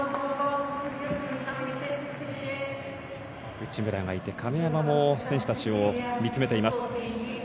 内村がいて、亀山も選手たちを見つめています。